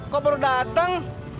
kok baru dateng